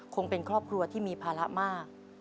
คงเป็นครอบครัวที่มีภาระมาก